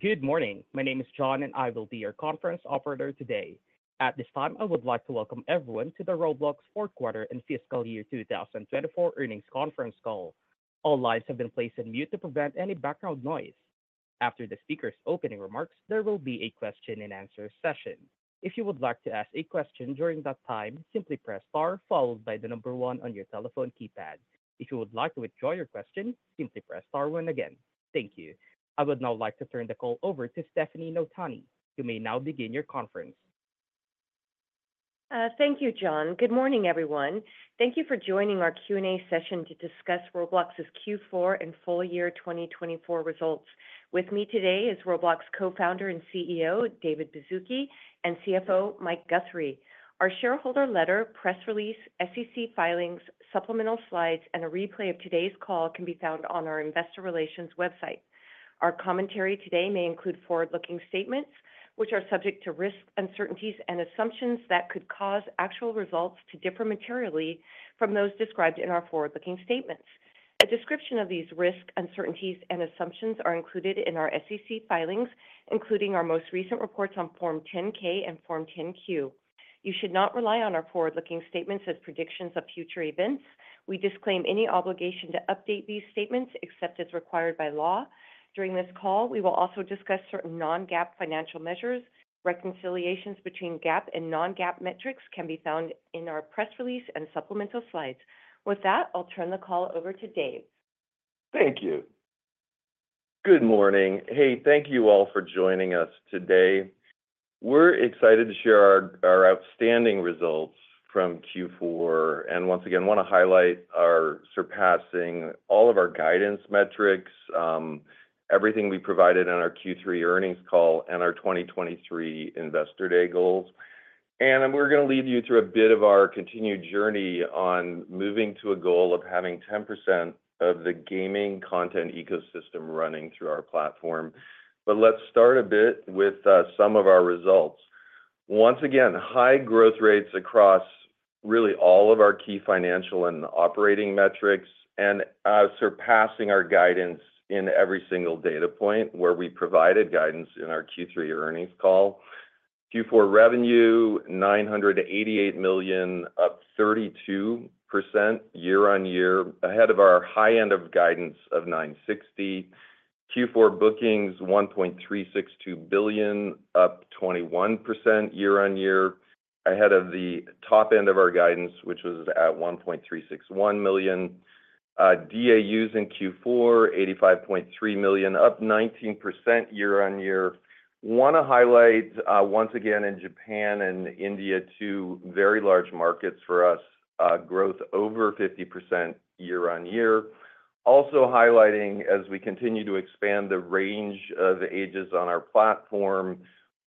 Good morning. My name is John, and I will be your conference operator today. At this time, I would like to welcome everyone to the Roblox 4th Quarter and Fiscal Year 2024 Earnings Conference Call. All lines have been placed on mute to prevent any background noise. After the speaker's opening remarks, there will be a question-and-answer session. If you would like to ask a question during that time, simply press star, followed by the number one on your telephone keypad. If you would like to withdraw your question, simply press star one again. Thank you. I would now like to turn the call over to Stefanie Notaney. You may now begin your conference. Thank you, John. Good morning, everyone. Thank you for joining our Q&A session to discuss Roblox's Q4 and full year 2024 results. With me today is Roblox Co-founder and CEO David Baszucki and CFO Mike Guthrie. Our shareholder letter, press release, SEC filings, supplemental slides, and a replay of today's call can be found on our investor relations website. Our commentary today may include forward-looking statements, which are subject to risks, uncertainties and assumptions that could cause actual results to differ materially from those described in our forward-looking statements. A description of these risks, uncertainties and assumptions is included in our SEC filings, including our most recent reports on Form 10-K and Form 10-Q. You should not rely on our forward-looking statements as predictions of future events. We disclaim any obligation to update these statements except as required by law. During this call, we will also discuss certain non-GAAP financial measures. Reconciliations between GAAP and non-GAAP metrics can be found in our press release and supplemental slides. With that, I'll turn the call over to Dave. Thank you. Good morning. Hey, thank you all for joining us today. We're excited to share our outstanding results from Q4, and once again, I want to highlight our surpassing all of our guidance metrics, everything we provided in our Q3 earnings call, and our 2023 Investor Day goals, and we're going to lead you through a bit of our continued journey on moving to a goal of having 10% of the gaming content ecosystem running through our platform, but let's start a bit with some of our results. Once again, high growth rates across really all of our key financial and operating metrics, and surpassing our guidance in every single data point where we provided guidance in our Q3 earnings call. Q4 revenue, $988 million, up 32% year-on-year, ahead of our high end of guidance of $960 million. Q4 bookings, $1.362 billion, up 21% year-on-year, ahead of the top end of our guidance, which was at $1.361 million. DAUs in Q4, 85.3 million, up 19% year-on-year. I want to highlight, once again, in Japan and India, two very large markets for us, growth over 50% year-on-year. Also highlighting, as we continue to expand the range of ages on our platform,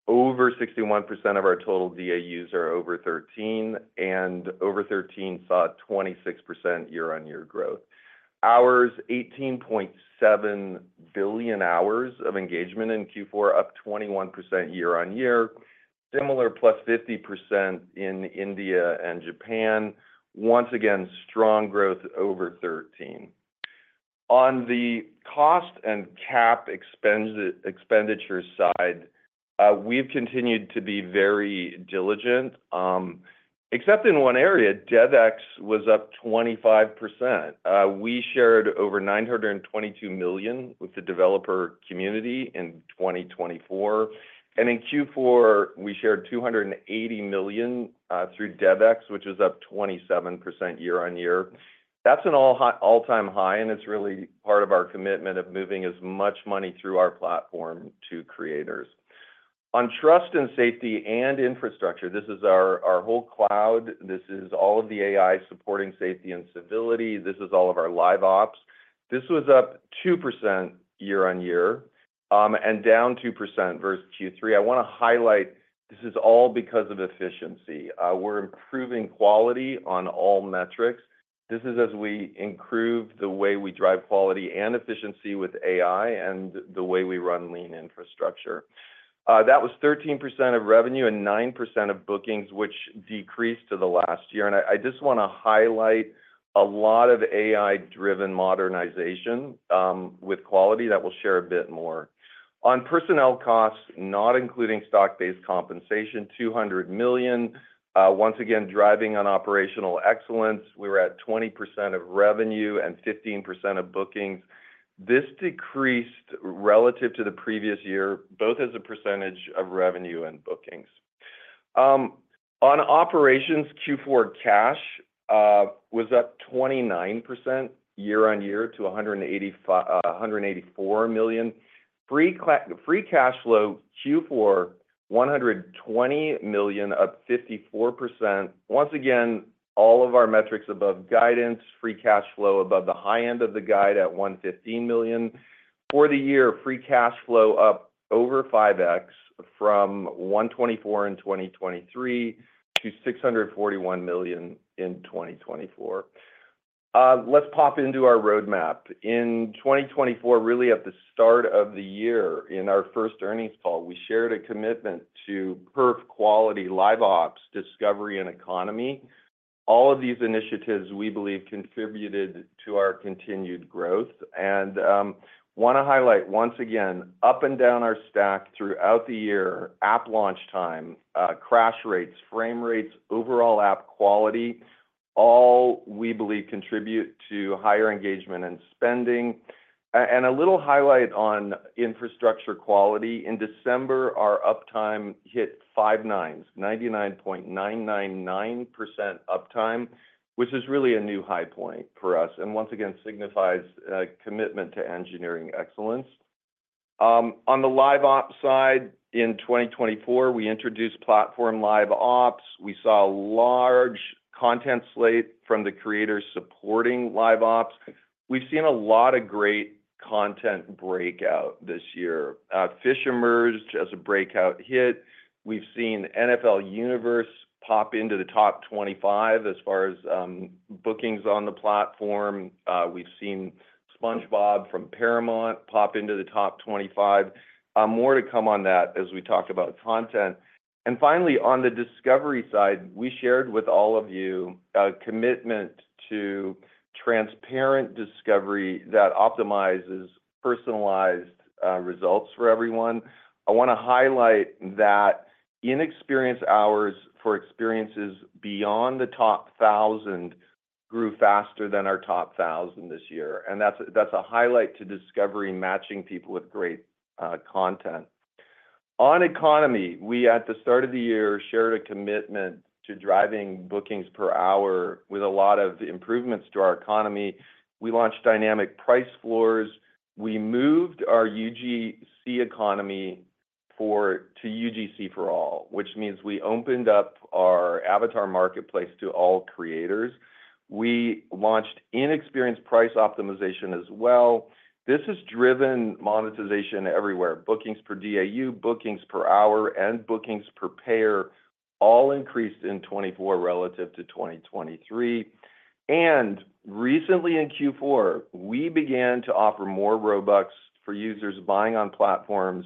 over 61% of our total DAUs are over 13, and over 13 saw 26% year-on-year growth. Hours, 18.7 billion hours of engagement in Q4, up 21% year-on-year. Similar, +50% in India and Japan. Once again, strong growth over 13. On the cost and CapEx side, we've continued to be very diligent, except in one area, DevEx was up 25%. We shared over $922 million with the developer community in 2024. And in Q4, we shared $280 million through DevEx, which was up 27% year-on-year. That's an all-time high, and it's really part of our commitment of moving as much money through our platform to creators. On trust and safety and infrastructure, this is our whole cloud. This is all of the AI supporting safety and stability. This is all of our live ops. This was up 2% year-on-year and down 2% versus Q3. I want to highlight this is all because of efficiency. We're improving quality on all metrics. This is as we improve the way we drive quality and efficiency with AI and the way we run lean infrastructure. That was 13% of revenue and 9% of bookings, which decreased to the last year. And I just want to highlight a lot of AI-driven modernization with quality that we'll share a bit more. On personnel costs, not including stock-based compensation, $200 million. Once again, driving on operational excellence, we were at 20% of revenue and 15% of bookings. This decreased relative to the previous year, both as a percentage of revenue and bookings. On operations, Q4 cash was up 29% year-on-year to $184 million. Free cash flow Q4, $120 million, up 54%. Once again, all of our metrics above guidance, free cash flow above the high end of the guide at $115 million. For the year, free cash flow up over 5x from $124 in 2023 to $641 million in 2024. Let's pop into our roadmap. In 2024, really at the start of the year, in our first earnings call, we shared a commitment to perf quality, live ops, discovery, and economy. All of these initiatives we believe contributed to our continued growth. I want to highlight, once again, up and down our stack throughout the year, app launch time, crash rates, frame rates, overall app quality, all we believe contribute to higher engagement and spending. And a little highlight on infrastructure quality. In December, our uptime hit five nines, 99.999% uptime, which is really a new high point for us, and once again signifies a commitment to engineering excellence. On the live ops side, in 2024, we introduced platform LiveOps. We saw a large content slate from the creators supporting live ops. We've seen a lot of great content breakout this year. Fisch emerged as a breakout hit. We've seen NFL Universe pop into the top 25 as far as bookings on the platform. We've seen SpongeBob from Paramount pop into the top 25. More to come on that as we talk about content. Finally, on the discovery side, we shared with all of you a commitment to transparent discovery that optimizes personalized results for everyone. I want to highlight that in-experience hours for experiences beyond the top 1,000 grew faster than our top 1,000 this year. That's a highlight to discovery matching people with great content. On economy, we at the start of the year shared a commitment to driving bookings per hour with a lot of improvements to our economy. We launched dynamic price floors. We moved our UGC economy to UGC for all, which means we opened up our avatar marketplace to all creators. We launched in-experience price optimization as well. This has driven monetization everywhere. Bookings per DAU, bookings per hour, and bookings per payer all increased in 2024 relative to 2023. Recently in Q4, we began to offer more Robux for users buying on platforms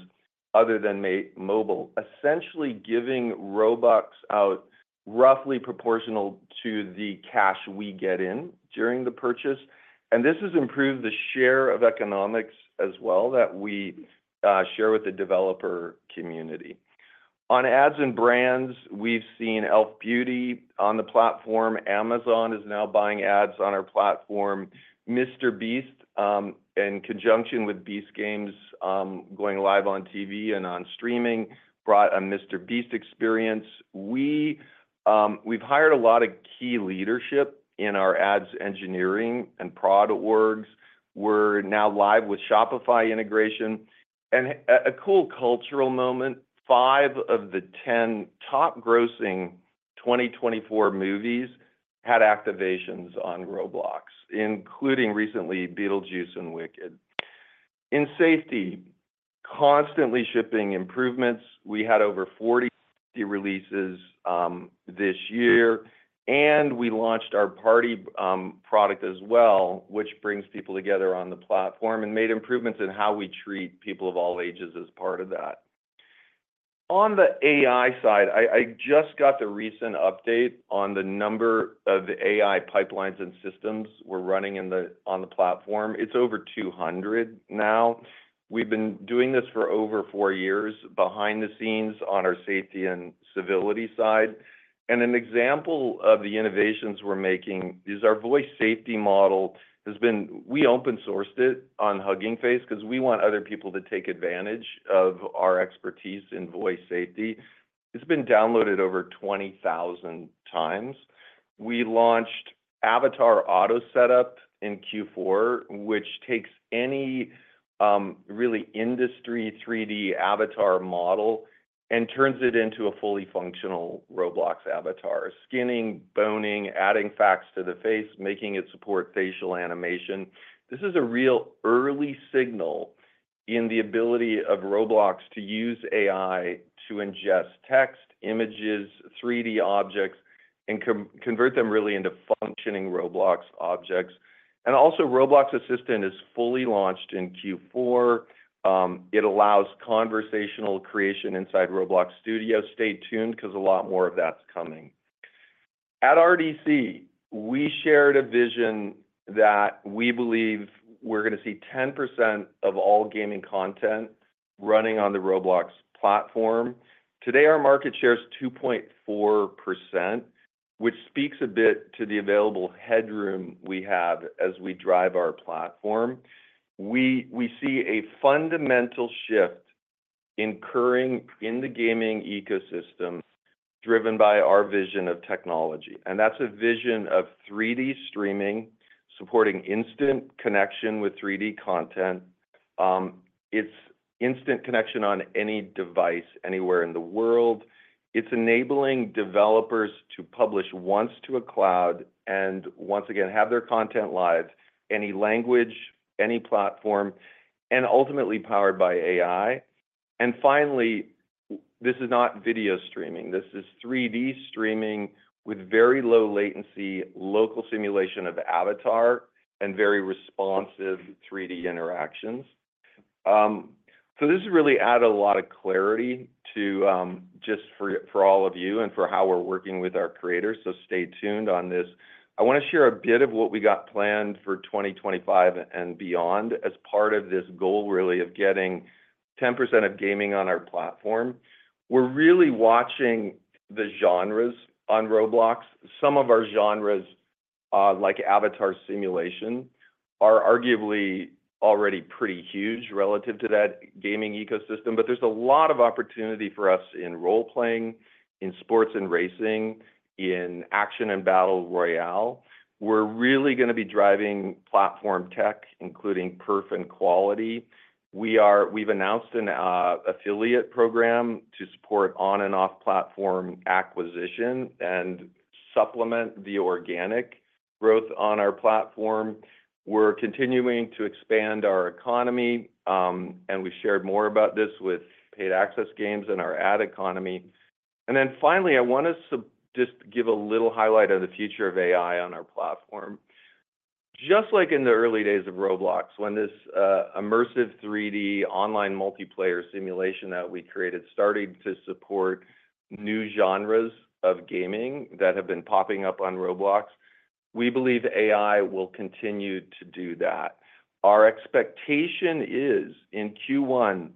other than mobile, essentially giving Robux out roughly proportional to the cash we get in during the purchase. This has improved the share of economics as well that we share with the developer community. On ads and brands, we've seen e.l.f. Beauty on the platform. Amazon is now buying ads on our platform. MrBeast, in conjunction with Beast Games going live on TV and on streaming, brought a MrBeast experience. We've hired a lot of key leadership in our ads engineering and prod orgs. We're now live with Shopify integration. A cool cultural moment, five of the 10 top grossing 2024 movies had activations on Roblox, including recently Beetlejuice and Wicked. In safety, constantly shipping improvements. We had over 40 releases this year, and we launched our party product as well, which brings people together on the platform and made improvements in how we treat people of all ages as part of that. On the AI side, I just got the recent update on the number of AI pipelines and systems we're running on the platform. It's over 200 now. We've been doing this for over four years behind the scenes on our safety and civility side, and an example of the innovations we're making is our voice safety model. We open-sourced it on Hugging Face because we want other people to take advantage of our expertise in voice safety. It's been downloaded over 20,000 times. We launched Avatar Auto Setup in Q4, which takes any real industry 3D avatar model and turns it into a fully functional Roblox avatar, skinning, boning, adding FACS to the face, making it support facial animation. This is a really early signal in the ability of Roblox to use AI to ingest text, images, 3D objects, and convert them really into functioning Roblox objects. And also, Roblox Assistant is fully launched in Q4. It allows conversational creation inside Roblox Studio. Stay tuned because a lot more of that's coming. At RDC, we shared a vision that we believe we're going to see 10% of all gaming content running on the Roblox platform. Today, our market share is 2.4%, which speaks a bit to the available headroom we have as we drive our platform. We see a fundamental shift incurring in the gaming ecosystem driven by our vision of technology. That's a vision of 3D streaming supporting instant connection with 3D content. It's instant connection on any device anywhere in the world. It's enabling developers to publish once to a cloud and once again have their content live, any language, any platform, and ultimately powered by AI. And finally, this is not video streaming. This is 3D streaming with very low latency, local simulation of avatar, and very responsive 3D interactions. So this has really added a lot of clarity just for all of you and for how we're working with our creators. So stay tuned on this. I want to share a bit of what we got planned for 2025 and beyond as part of this goal really of getting 10% of gaming on our platform. We're really watching the genres on Roblox. Some of our genres, like avatar simulation, are arguably already pretty huge relative to that gaming ecosystem. But there's a lot of opportunity for us in role-playing, in sports and racing, in action and battle royale. We're really going to be driving platform tech, including perf and quality. We've announced an affiliate program to support on-and-off platform acquisition and supplement the organic growth on our platform. We're continuing to expand our economy, and we shared more about this with paid access games and our ad economy. And then finally, I want to just give a little highlight of the future of AI on our platform. Just like in the early days of Roblox, when this immersive 3D online multiplayer simulation that we created started to support new genres of gaming that have been popping up on Roblox, we believe AI will continue to do that. Our expectation is in Q1,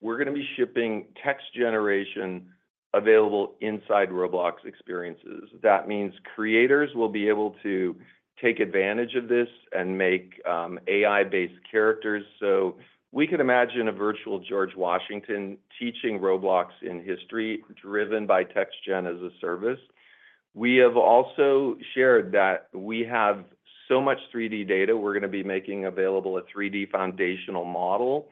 we're going to be shipping text generation available inside Roblox experiences. That means creators will be able to take advantage of this and make AI-based characters. So we can imagine a virtual George Washington teaching Roblox in history driven by text gen as a service. We have also shared that we have so much 3D data. We're going to be making available a 3D foundational model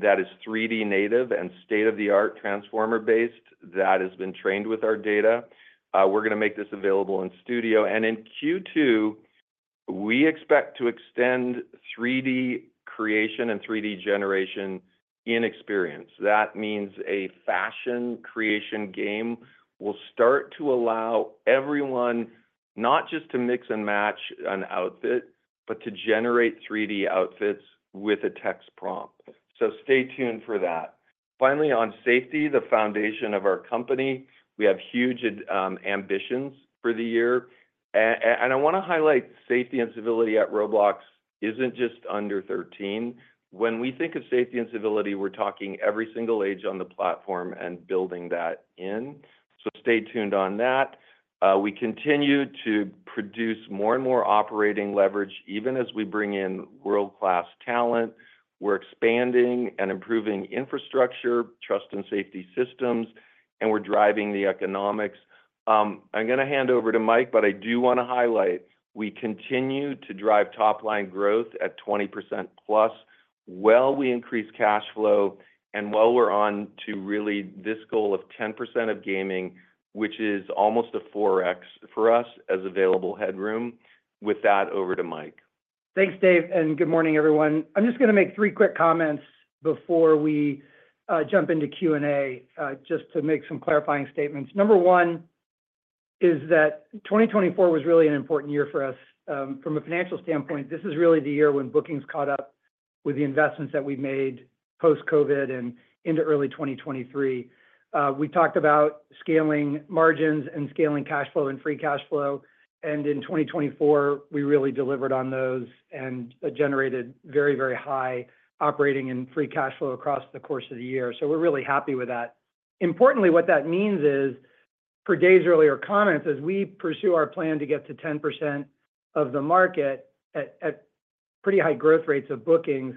that is 3D native and state-of-the-art transformer-based that has been trained with our data. We're going to make this available in studio. And in Q2, we expect to extend 3D creation and 3D generation in experience. That means a fashion creation game will start to allow everyone not just to mix and match an outfit, but to generate 3D outfits with a text prompt. So stay tuned for that. Finally, on safety, the foundation of our company, we have huge ambitions for the year. And I want to highlight safety and civility at Roblox isn't just under 13. When we think of safety and civility, we're talking every single age on the platform and building that in. So stay tuned on that. We continue to produce more and more operating leverage even as we bring in world-class talent. We're expanding and improving infrastructure, trust, and safety systems, and we're driving the economics. I'm going to hand over to Mike, but I do want to highlight we continue to drive top-line growth at 20%+ while we increase cash flow and while we're on to really this goal of 10% of gaming, which is almost a 4x for us as available headroom. With that, over to Mike. Thanks, Dave. And good morning, everyone. I'm just going to make three quick comments before we jump into Q&A just to make some clarifying statements. Number one is that 2024 was really an important year for us. From a financial standpoint, this is really the year when bookings caught up with the investments that we've made post-COVID and into early 2023. We talked about scaling margins and scaling cash flow and free cash flow, and in 2024, we really delivered on those and generated very, very high operating and free cash flow across the course of the year, so we're really happy with that. Importantly, what that means is, per Dave's earlier comments, as we pursue our plan to get to 10% of the market at pretty high growth rates of bookings,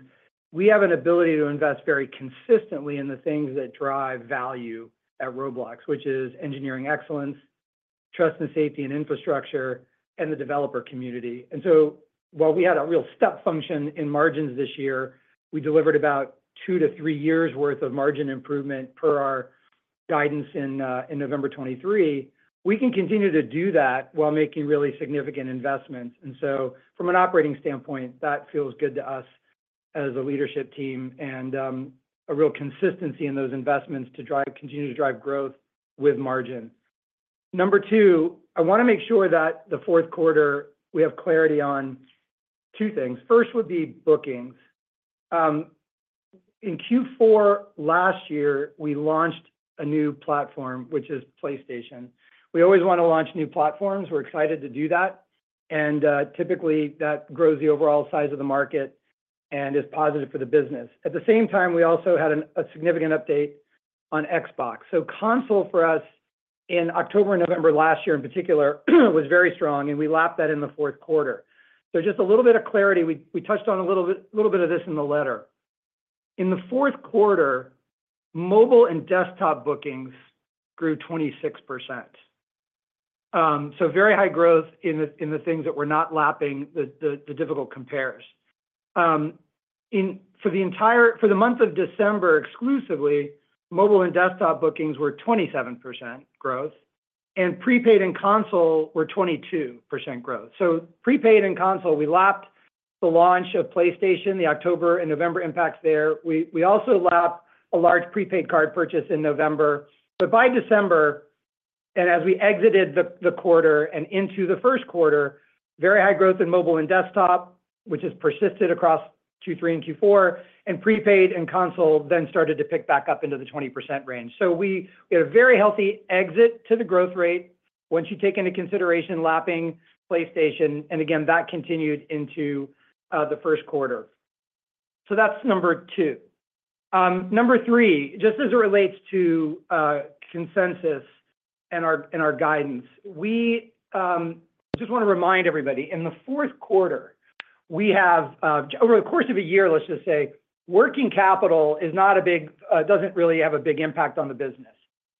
we have an ability to invest very consistently in the things that drive value at Roblox, which is engineering excellence, trust and safety in infrastructure, and the developer community, and so while we had a real step function in margins this year, we delivered about two to three years' worth of margin improvement per our guidance in November 2023. We can continue to do that while making really significant investments, and so from an operating standpoint, that feels good to us as a leadership team and a real consistency in those investments to continue to drive growth with margin. Number two, I want to make sure that the fourth quarter we have clarity on two things. First would be bookings. In Q4 last year, we launched a new platform, which is PlayStation. We always want to launch new platforms. We're excited to do that, and typically, that grows the overall size of the market and is positive for the business. At the same time, we also had a significant update on Xbox, so console for us in October and November last year in particular was very strong, and we lapped that in the fourth quarter, so just a little bit of clarity. We touched on a little bit of this in the letter. In the fourth quarter, mobile and desktop bookings grew 26%, so very high growth in the things that we're not lapping, the difficult compares. For the month of December exclusively, mobile and desktop bookings were 27% growth, and prepaid and console were 22% growth. So, prepaid and console, we lapped the launch of PlayStation, the October and November impacts there. We also lapped a large prepaid card purchase in November. But by December, and as we exited the quarter and into the first quarter, very high growth in mobile and desktop, which has persisted across Q3 and Q4, and prepaid and console then started to pick back up into the 20% range. So we had a very healthy exit to the growth rate once you take into consideration lapping PlayStation. And again, that continued into the first quarter. So that's number two. Number three, just as it relates to consensus and our guidance, we just want to remind everybody in the fourth quarter, we have over the course of a year, let's just say, working capital is not a big, doesn't really have a big impact on the business.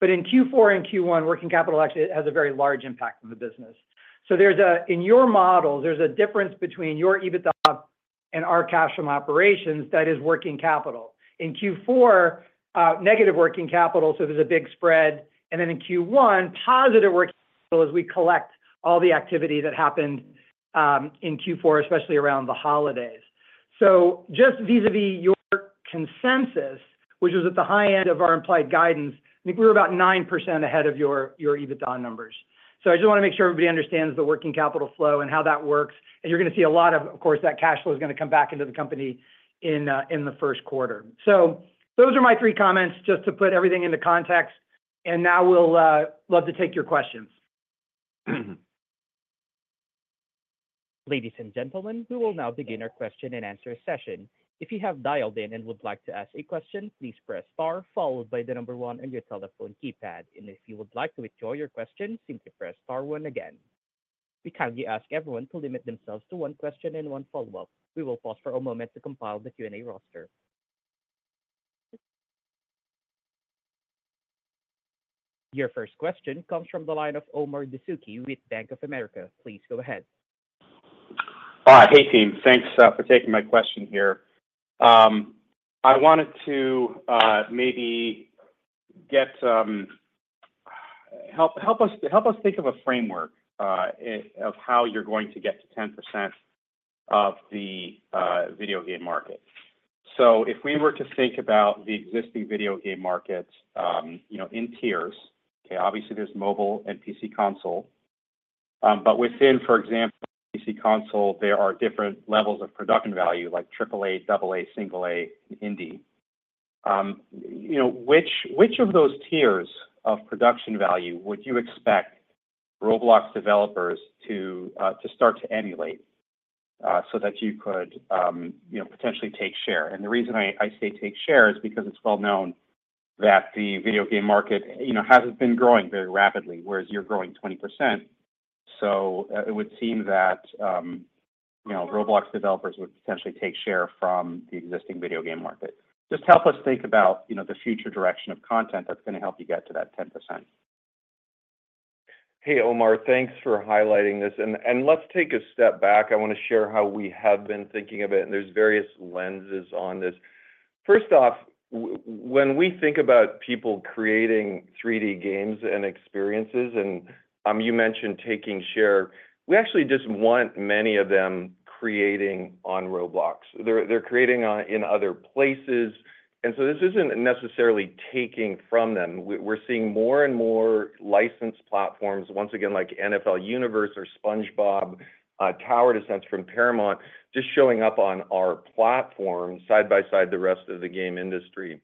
But in Q4 and Q1, working capital actually has a very large impact on the business. So in your models, there's a difference between your EBITDA and our cash from operations that is working capital. In Q4, negative working capital, so there's a big spread. And then in Q1, positive working capital as we collect all the activity that happened in Q4, especially around the holidays. So just vis-à-vis your consensus, which was at the high end of our implied guidance, I think we were about 9% ahead of your EBITDA numbers. So I just want to make sure everybody understands the working capital flow and how that works. And you're going to see a lot, of course, that cash flow is going to come back into the company in the first quarter. So those are my three comments just to put everything into context. Now we’d love to take your questions. Ladies and gentlemen, we will now begin our question and answer session. If you have dialed in and would like to ask a question, please press star followed by the number one on your telephone keypad. If you would like to withdraw your question, simply press star one again. We kindly ask everyone to limit themselves to one question and one follow-up. We will pause for a moment to compile the Q&A roster. Your first question comes from the line of Omar Dessouky with Bank of America. Please go ahead. Hi, hey, team. Thanks for taking my question here. I wanted to maybe help us think of a framework of how you’re going to get to 10% of the video game market. So if we were to think about the existing video game markets in tiers, okay, obviously there's mobile and PC console. But within, for example, PC console, there are different levels of production value like AAA, AA, single A, and indie. Which of those tiers of production value would you expect Roblox developers to start to emulate so that you could potentially take share? And the reason I say take share is because it's well known that the video game market hasn't been growing very rapidly, whereas you're growing 20%. So it would seem that Roblox developers would potentially take share from the existing video game market. Just help us think about the future direction of content that's going to help you get to that 10%. Hey, Omar, thanks for highlighting this, and let's take a step back. I want to share how we have been thinking of it, and there's various lenses on this. First off, when we think about people creating 3D games and experiences, and you mentioned taking share, we actually just want many of them creating on Roblox. They're creating in other places, and so this isn't necessarily taking from them. We're seeing more and more licensed platforms, once again, like NFL Universe or SpongeBob, Tower Defense from Paramount, just showing up on our platform side by side the rest of the game industry.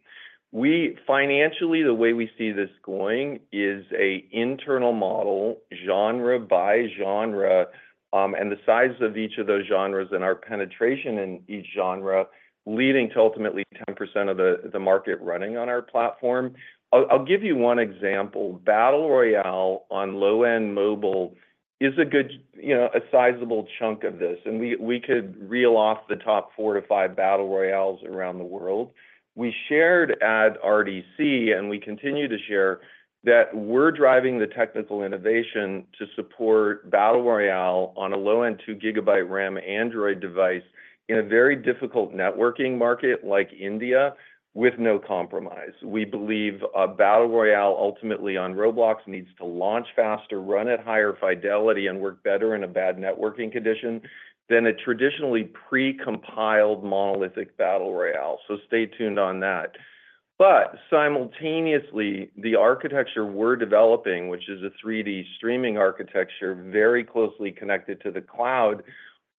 Financially, the way we see this going is an internal model, genre by genre, and the size of each of those genres and our penetration in each genre leading to ultimately 10% of the market running on our platform. I'll give you one example. Battle Royale on low-end mobile is a sizable chunk of this. And we could reel off the top four to five Battle Royales around the world. We shared at RDC, and we continue to share that we're driving the technical innovation to support Battle Royale on a low-end 2 GB RAM Android device in a very difficult networking market like India with no compromise. We believe a Battle Royale ultimately on Roblox needs to launch faster, run at higher fidelity, and work better in a bad networking condition than a traditionally pre-compiled monolithic Battle Royale. So stay tuned on that. But simultaneously, the architecture we're developing, which is a 3D streaming architecture very closely connected to the cloud,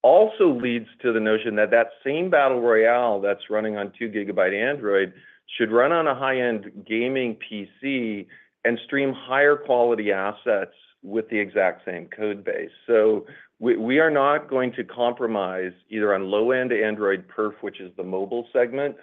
also leads to the notion that that same Battle Royale that's running on 2 GB Android should run on a high-end gaming PC and stream higher quality assets with the exact same code base. So we are not going to compromise either on low-end Android perf, which is the mobile segment,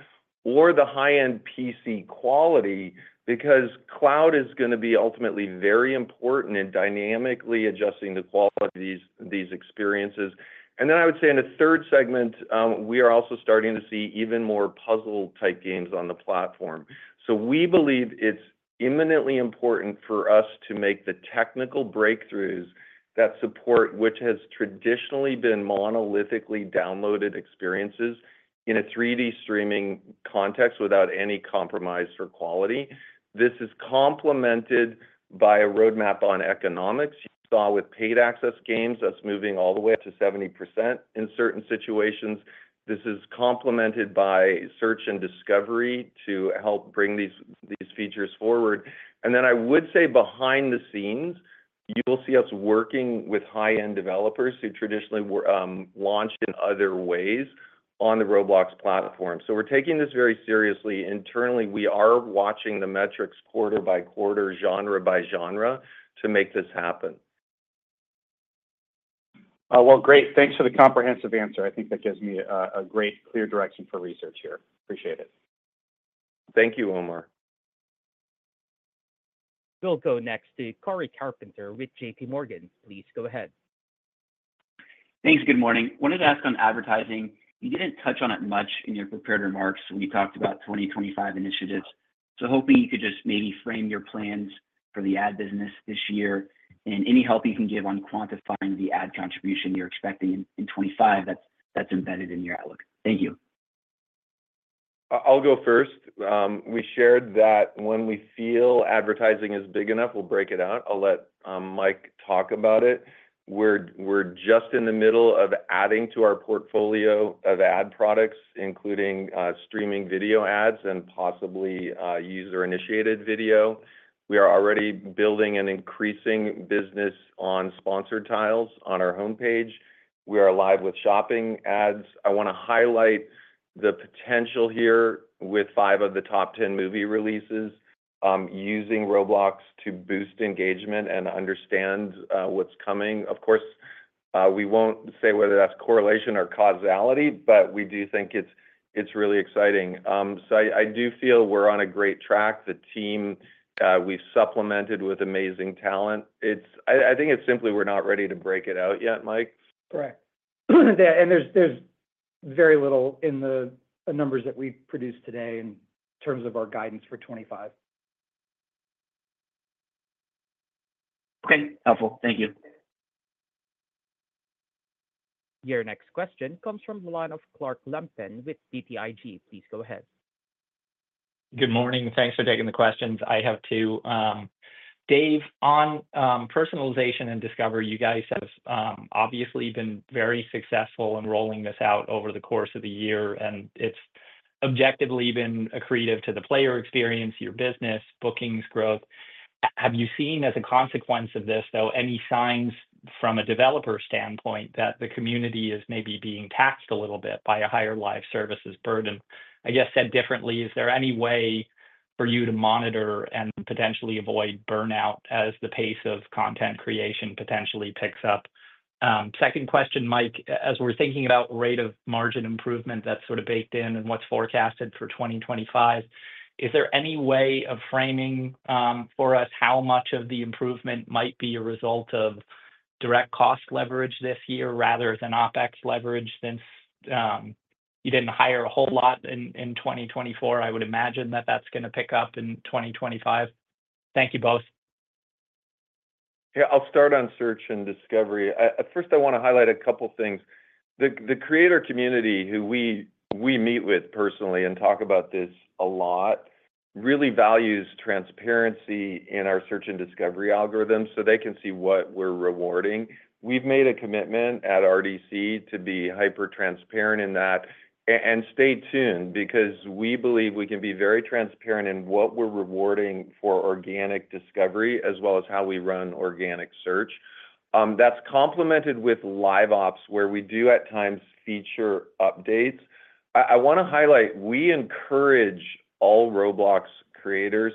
or the high-end PC quality because cloud is going to be ultimately very important in dynamically adjusting the quality of these experiences. And then I would say in the third segment, we are also starting to see even more puzzle-type games on the platform. So we believe it's imminently important for us to make the technical breakthroughs that support what has traditionally been monolithically downloaded experiences in a 3D streaming context without any compromise for quality. This is complemented by a roadmap on economics. You saw with paid access games that's moving all the way up to 70% in certain situations. This is complemented by search and discovery to help bring these features forward. And then I would say behind the scenes, you will see us working with high-end developers who traditionally launched in other ways on the Roblox platform. So we're taking this very seriously. Internally, we are watching the metrics quarter by quarter, genre by genre to make this happen. Well, great. Thanks for the comprehensive answer. I think that gives me a great clear direction for research here. Appreciate it. Thank you, Omar. We'll go next to Cory Carpenter with JPMorgan. Please go ahead. Thanks. Good morning. I wanted to ask on advertising. You didn't touch on it much in your prepared remarks when you talked about 2025 initiatives. So hoping you could just maybe frame your plans for the ad business this year and any help you can give on quantifying the ad contribution you're expecting in 2025 that's embedded in your outlook. Thank you. I'll go first. We shared that when we feel advertising is big enough, we'll break it out. I'll let Mike talk about it. We're just in the middle of adding to our portfolio of ad products, including streaming video ads and possibly user-initiated video. We are already building an increasing business on sponsored tiles on our homepage. We are live with shopping ads. I want to highlight the potential here with five of the top 10 movie releases using Roblox to boost engagement and understand what's coming. Of course, we won't say whether that's correlation or causality, but we do think it's really exciting. So I do feel we're on a great track. The team, we've supplemented with amazing talent. I think it's simply we're not ready to break it out yet, Mike. Correct. And there's very little in the numbers that we've produced today in terms of our guidance for 2025. Okay. Helpful. Thank you. Your next question comes from the line of Clark Lampen with BTIG. Please go ahead. Good morning. Thanks for taking the questions. I have two. Dave, on personalization and discovery, you guys have obviously been very successful in rolling this out over the course of the year, and it's objectively been accretive to the player experience, your business, bookings, growth. Have you seen as a consequence of this, though, any signs from a developer standpoint that the community is maybe being taxed a little bit by a higher live services burden? I guess said differently, is there any way for you to monitor and potentially avoid burnout as the pace of content creation potentially picks up? Second question, Mike, as we're thinking about rate of margin improvement that's sort of baked in and what's forecasted for 2025, is there any way of framing for us how much of the improvement might be a result of direct cost leverage this year rather than OpEx leverage since you didn't hire a whole lot in 2024? I would imagine that that's going to pick up in 2025. Thank you both. Yeah, I'll start on search and discovery. First, I want to highlight a couple of things. The creator community who we meet with personally and talk about this a lot really values transparency in our search and discovery algorithms so they can see what we're rewarding. We've made a commitment at RDC to be hyper-transparent in that. And stay tuned because we believe we can be very transparent in what we're rewarding for organic discovery as well as how we run organic search. That's complemented with LiveOps where we do at times feature updates. I want to highlight we encourage all Roblox creators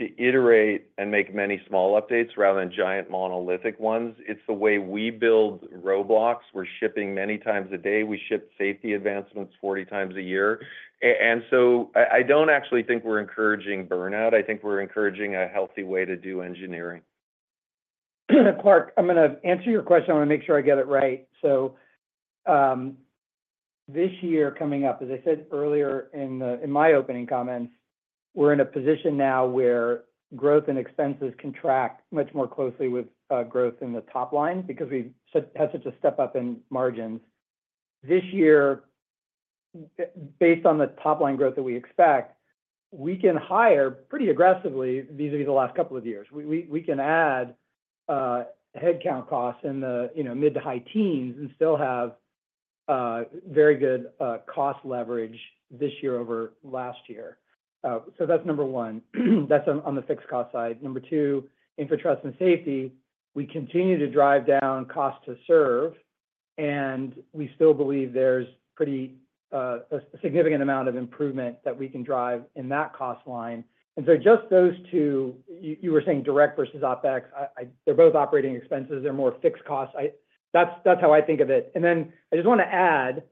to iterate and make many small updates rather than giant monolithic ones. It's the way we build Roblox. We're shipping many times a day. We ship safety advancements 40 times a year. And so I don't actually think we're encouraging burnout. I think we're encouraging a healthy way to do engineering. Clark, I'm going to answer your question. I want to make sure I get it right. So this year coming up, as I said earlier in my opening comments, we're in a position now where growth and expenses contract much more closely with growth in the top line because we've had such a step up in margins. This year, based on the top line growth that we expect, we can hire pretty aggressively vis-à-vis the last couple of years. We can add headcount costs in the mid to high teens and still have very good cost leverage this year over last year. So that's number one. That's on the fixed cost side. Number two, infrastructure and safety. We continue to drive down cost to serve, and we still believe there's a significant amount of improvement that we can drive in that cost line. And so just those two, you were saying direct versus OpEx, they're both operating expenses. They're more fixed costs. That's how I think of it. And then I just want to add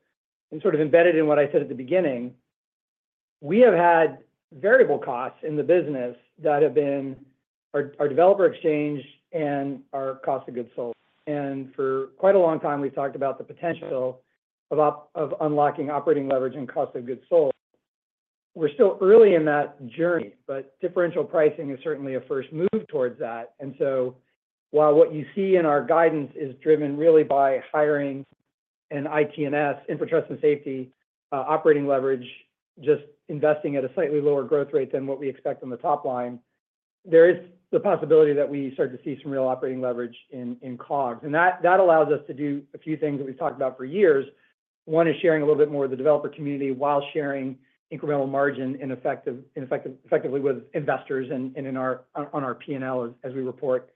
and sort of embed it in what I said at the beginning. We have had variable costs in the business that have been our developer exchange and our cost of goods sold. And for quite a long time, we've talked about the potential of unlocking operating leverage and cost of goods sold. We're still early in that journey, but differential pricing is certainly a first move towards that. And so while what you see in our guidance is driven really by hiring an IT&S, infrastructure and safety, operating leverage, just investing at a slightly lower growth rate than what we expect on the top line, there is the possibility that we start to see some real operating leverage in COGS. And that allows us to do a few things that we've talked about for years. One is sharing a little bit more of the developer community while sharing incremental margin effectively with investors and on our P&L as we report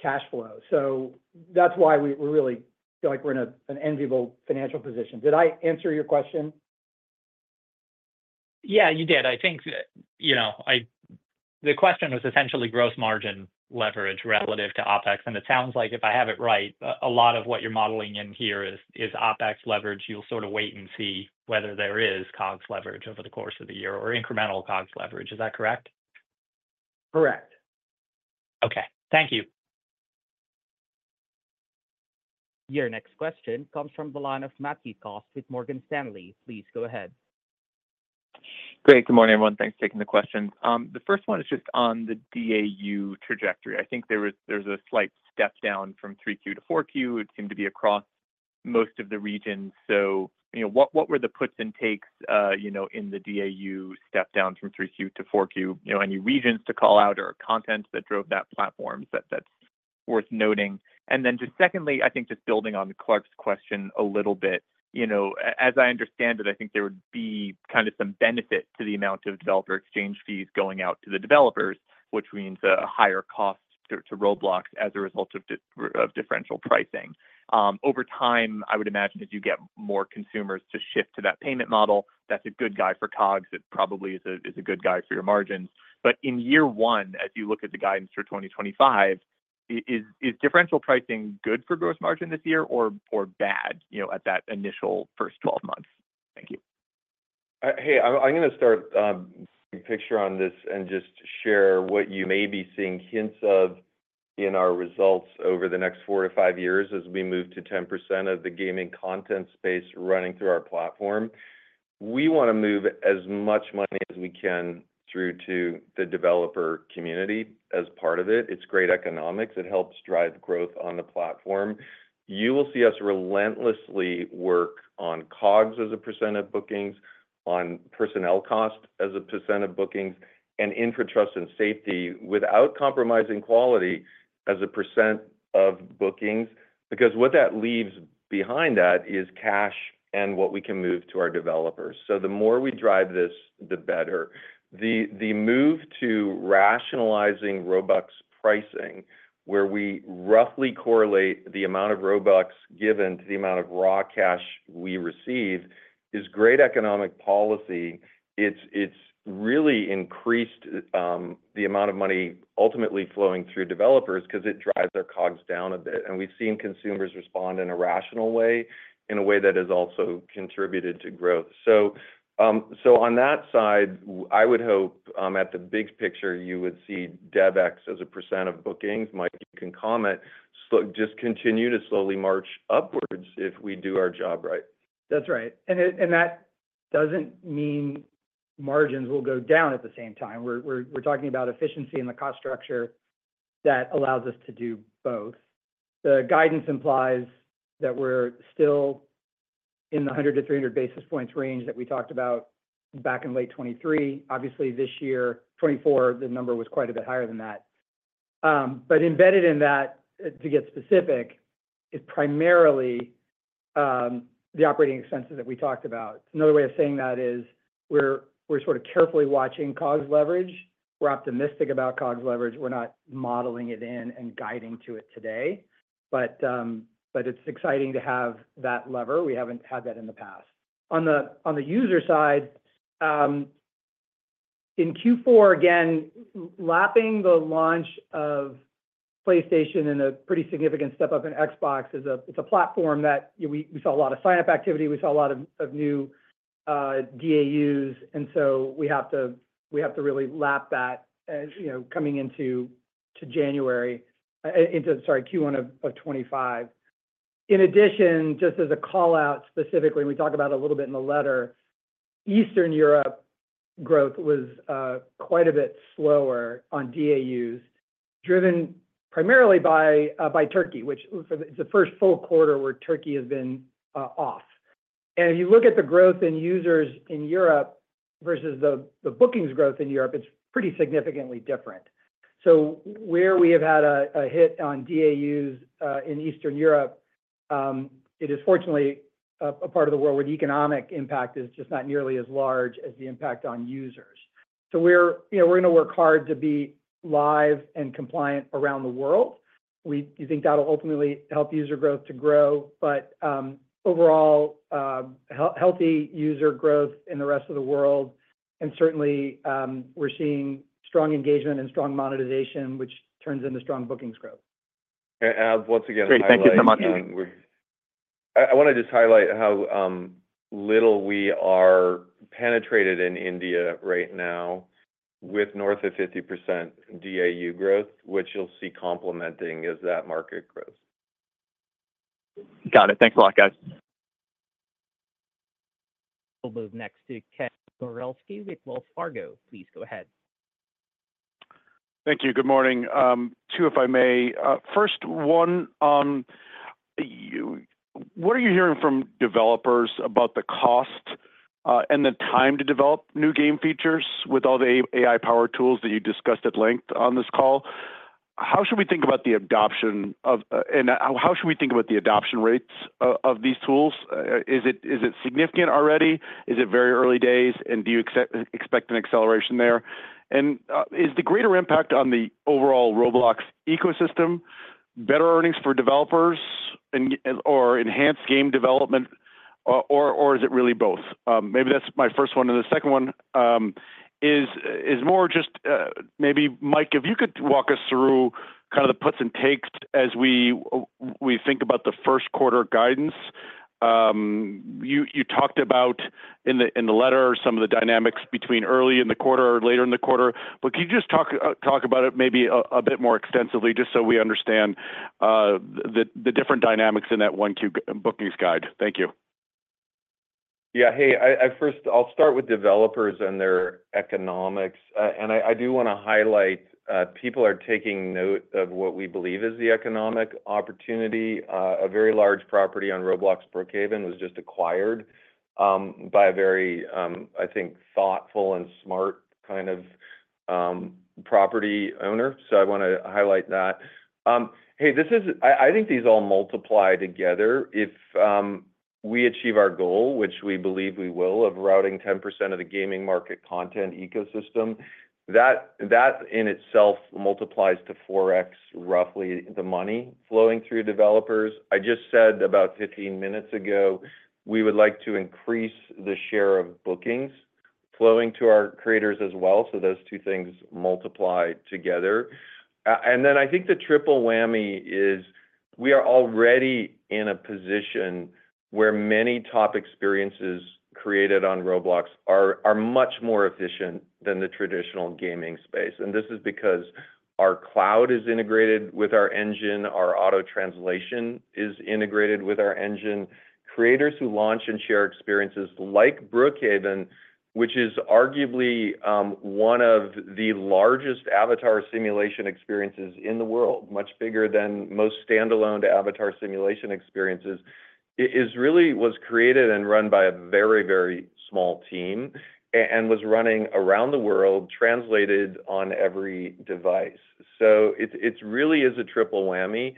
cash flow, so that's why we really feel like we're in an enviable financial position. Did I answer your question? Yeah, you did. I think the question was essentially gross margin leverage relative to OpEx, and it sounds like if I have it right, a lot of what you're modeling in here is OpEx leverage. You'll sort of wait and see whether there is COGS leverage over the course of the year or incremental COGS leverage. Is that correct? Correct. Okay. Thank you. Your next question comes from the line of Matthew Cost with Morgan Stanley. Please go ahead. Great. Good morning, everyone. Thanks for taking the question. The first one is just on the DAU trajectory. I think there's a slight step down from 3Q to 4Q. It seemed to be across most of the regions. So what were the puts and takes in the DAU step down from 3Q to 4Q? Any regions to call out or content that drove that platform that's worth noting? And then just secondly, I think just building on Clark's question a little bit, as I understand it, I think there would be kind of some benefit to the amount of developer exchange fees going out to the developers, which means a higher cost to Roblox as a result of differential pricing. Over time, I would imagine as you get more consumers to shift to that payment model, that's a good guy for COGS. It probably is a good guy for your margins. But in year one, as you look at the guidance for 2025, is differential pricing good for gross margin this year or bad at that initial first 12 months? Thank you. Hey, I'm going to start a big picture on this and just share what you may be seeing hints of in our results over the next four to five years as we move to 10% of the gaming content space running through our platform. We want to move as much money as we can through to the developer community as part of it. It's great economics. It helps drive growth on the platform. You will see us relentlessly work on COGS as a percent of bookings, on personnel cost as a percent of bookings, and infrastructure and safety without compromising quality as a percent of bookings because what that leaves behind that is cash and what we can move to our developers. So the more we drive this, the better. The move to rationalizing Robux pricing, where we roughly correlate the amount of Robux given to the amount of raw cash we receive, is great economic policy. It's really increased the amount of money ultimately flowing through developers because it drives their COGS down a bit. And we've seen consumers respond in a rational way in a way that has also contributed to growth. So on that side, I would hope at the big picture, you would see DevEx as a percent of bookings. Mike, you can comment. Just continue to slowly march upwards if we do our job right. That's right, and that doesn't mean margins will go down at the same time. We're talking about efficiency in the cost structure that allows us to do both. The guidance implies that we're still in the 100-300 basis points range that we talked about back in late 2023. Obviously, this year, 2024, the number was quite a bit higher than that, but embedded in that, to get specific, is primarily the operating expenses that we talked about. Another way of saying that is we're sort of carefully watching COGS leverage. We're optimistic about COGS leverage. We're not modeling it in and guiding to it today, but it's exciting to have that lever. We haven't had that in the past. On the user side, in Q4, again, lapping the launch of PlayStation and a pretty significant step up in Xbox, it's a platform that we saw a lot of sign-up activity. We saw a lot of new DAUs. And so we have to really lap that coming into January, into Q1 of 2025. In addition, just as a call-out specifically, and we talked about it a little bit in the letter, Eastern Europe growth was quite a bit slower on DAUs, driven primarily by Turkey, which is the first full quarter where Turkey has been off. And if you look at the growth in users in Europe versus the bookings growth in Europe, it's pretty significantly different. So where we have had a hit on DAUs in Eastern Europe, it is fortunately a part of the world where the economic impact is just not nearly as large as the impact on users. So we're going to work hard to be live and compliant around the world. We think that'll ultimately help user growth to grow. But overall, healthy user growth in the rest of the world. And certainly, we're seeing strong engagement and strong monetization, which turns into strong bookings growth. Once again. Thank you so much. I want to just highlight how little we are penetrated in India right now with north of 50% DAU growth, which you'll see complementing as that market grows. Got it. Thanks a lot, guys. We'll move next to Ken Gawrelski with Wells Fargo. Please go ahead. Thank you. Good morning. Too, if I may. First one, what are you hearing from developers about the cost and the time to develop new game features with all the AI-powered tools that you discussed at length on this call? How should we think about the adoption of, and how should we think about the adoption rates of these tools? Is it significant already? Is it very early days? And do you expect an acceleration there? And is the greater impact on the overall Roblox ecosystem better earnings for developers or enhanced game development, or is it really both? Maybe that's my first one. And the second one is more just maybe, Mike, if you could walk us through kind of the puts and takes as we think about the first quarter guidance. You talked about in the letter some of the dynamics between early in the quarter or later in the quarter. But can you just talk about it maybe a bit more extensively just so we understand the different dynamics in that [1Q] bookings guide? Thank you. Yeah. Hey, I'll start with developers and their economics. And I do want to highlight people are taking note of what we believe is the economic opportunity. A very large property on Roblox Brookhaven was just acquired by a very, I think, thoughtful and smart kind of property owner. So I want to highlight that. Hey, I think these all multiply together. If we achieve our goal, which we believe we will, of routing 10% of the gaming market content ecosystem, that in itself multiplies to 4x roughly the money flowing through developers. I just said about 15 minutes ago, we would like to increase the share of bookings flowing to our creators as well. So those two things multiply together. Then I think the triple whammy is we are already in a position where many top experiences created on Roblox are much more efficient than the traditional gaming space. And this is because our cloud is integrated with our engine. Our auto translation is integrated with our engine. Creators who launch and share experiences like Brookhaven, which is arguably one of the largest avatar simulation experiences in the world, much bigger than most standalone avatar simulation experiences, it really was created and run by a very, very small team and was running around the world, translated on every device. So it really is a triple whammy.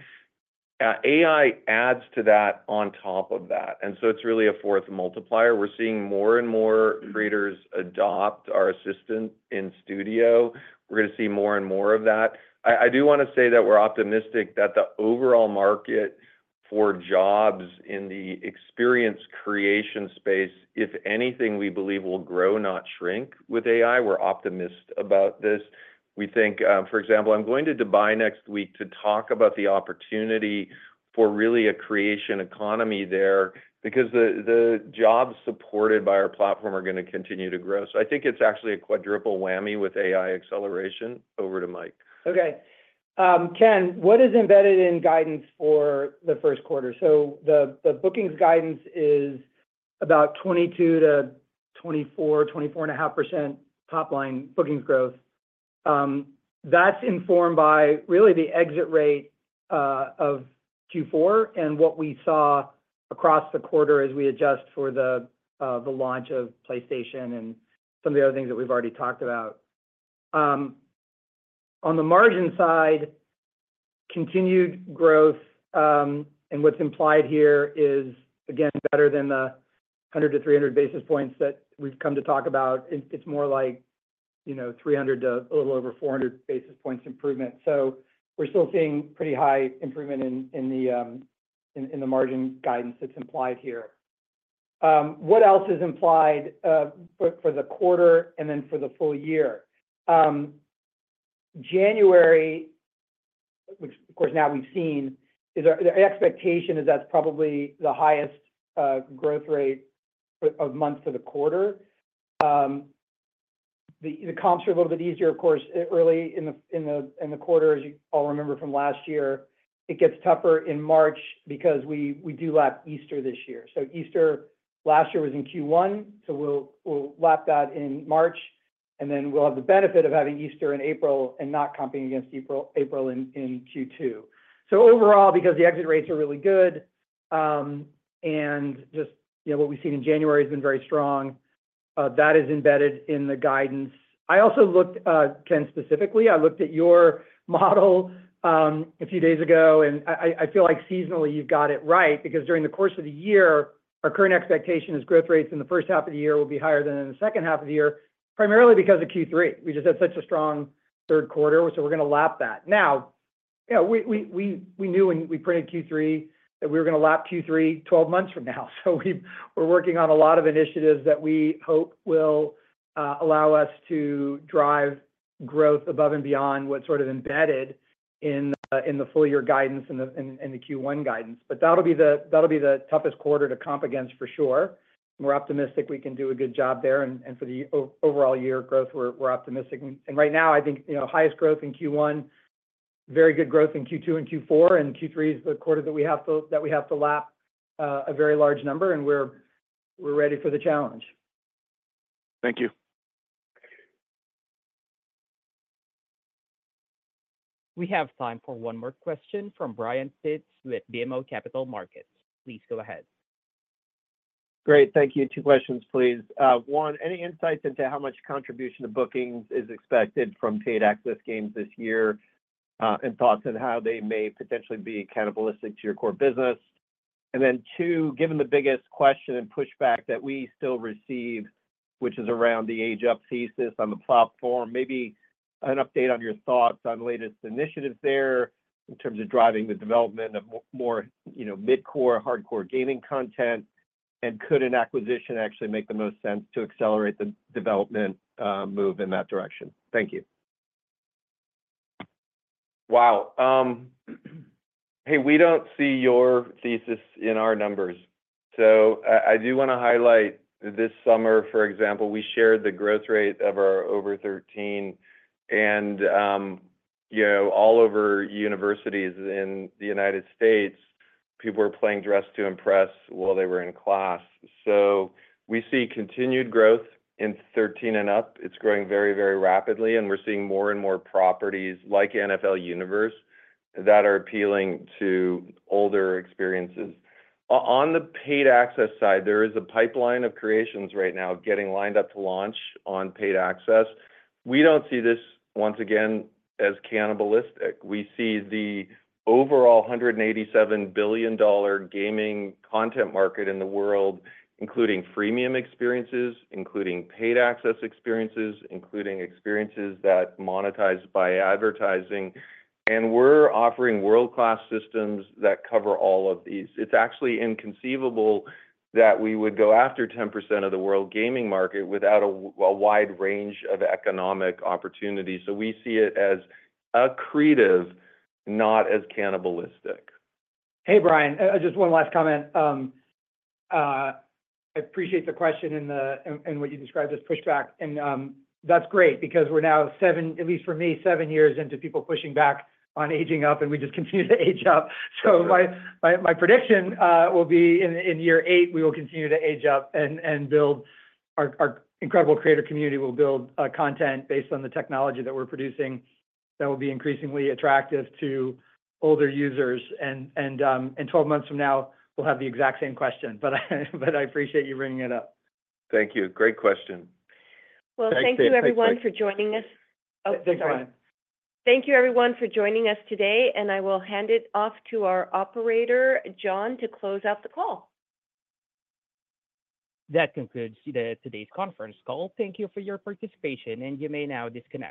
AI adds to that on top of that. And so it's really a fourth multiplier. We're seeing more and more creators adopt our assistant in studio. We're going to see more and more of that. I do want to say that we're optimistic that the overall market for jobs in the experience creation space, if anything, we believe will grow, not shrink with AI. We're optimistic about this. We think, for example, I'm going to Dubai next week to talk about the opportunity for really a creation economy there because the jobs supported by our platform are going to continue to grow. So I think it's actually a quadruple whammy with AI acceleration. Over to Mike. Okay. Ken, what is embedded in guidance for the first quarter? So the bookings guidance is about 22%-24.5% top-line bookings growth. That's informed by really the exit rate of Q4 and what we saw across the quarter as we adjust for the launch of PlayStation and some of the other things that we've already talked about. On the margin side, continued growth. What's implied here is, again, better than the 100-300 basis points that we've come to talk about. It's more like 300 to a little over 400 basis points improvement. So we're still seeing pretty high improvement in the margin guidance that's implied here. What else is implied for the quarter and then for the full year? January, which, of course, now we've seen, the expectation is that's probably the highest growth rate of month for the quarter. The comps are a little bit easier, of course, early in the quarter. As you all remember from last year, it gets tougher in March because we do lap Easter this year. So Easter last year was in Q1. So we'll lap that in March. And then we'll have the benefit of having Easter in April and not comping against April in Q2. So overall, because the exit rates are really good and just what we've seen in January has been very strong, that is embedded in the guidance. I also looked, Ken, specifically. I looked at your model a few days ago, and I feel like seasonally you've got it right because during the course of the year, our current expectation is growth rates in the first half of the year will be higher than in the second half of the year, primarily because of Q3. We just had such a strong third quarter, so we're going to lap that. Now, yeah, we knew when we printed Q3 that we were going to lap Q3 12 months from now. So we're working on a lot of initiatives that we hope will allow us to drive growth above and beyond what's sort of embedded in the full-year guidance and the Q1 guidance. But that'll be the toughest quarter to comp against for sure. We're optimistic we can do a good job there. And for the overall year growth, we're optimistic. And right now, I think highest growth in Q1, very good growth in Q2 and Q4. And Q3 is the quarter that we have to lap a very large number, and we're ready for the challenge. Thank you. We have time for one more question from Brian Pitz with BMO Capital Markets. Please go ahead. Great. Thank you. Two questions, please. One, any insights into how much contribution to bookings is expected from paid access games this year and thoughts on how they may potentially be cannibalistic to your core business? And then two, given the biggest question and pushback that we still receive, which is around the age-up thesis on the platform, maybe an update on your thoughts on the latest initiatives there in terms of driving the development of more mid-core, hardcore gaming content? And could an acquisition actually make the most sense to accelerate the development move in that direction? Thank you. Wow. Hey, we don't see your thesis in our numbers. So I do want to highlight this summer, for example, we shared the growth rate of our over 13. And all over universities in the United States, people were playing Dress to Impress while they were in class. So we see continued growth in 13 and up. It's growing very, very rapidly. And we're seeing more and more properties like NFL Universe that are appealing to older experiences. On the paid access side, there is a pipeline of creations right now getting lined up to launch on paid access. We don't see this, once again, as cannibalistic. We see the overall $187 billion gaming content market in the world, including freemium experiences, including paid access experiences, including experiences that monetize by advertising. We're offering world-class systems that cover all of these. It's actually inconceivable that we would go after 10% of the world gaming market without a wide range of economic opportunities. So we see it as accretive, not as cannibalistic. Hey, Brian, just one last comment. I appreciate the question and what you described as pushback. That's great because we're now, at least for me, seven years into people pushing back on aging up, and we just continue to age up. So my prediction will be in year eight, we will continue to age up and build our incredible creator community. We'll build content based on the technology that we're producing that will be increasingly attractive to older users. And 12 months from now, we'll have the exact same question. But I appreciate you bringing it up. Thank you. Great question. Well, thank you, everyone, for joining us. Oh. Thanks, Brian. Thank you, everyone, for joining us today. And I will hand it off to our operator, John, to close out the call. That concludes today's conference call. Thank you for your participation. And you may now disconnect.